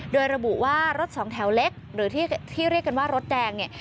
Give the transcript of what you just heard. โดยระบุว่ารถสองแถวเล็กหรือที่เรียกกันว่ารถแดงเนี่ย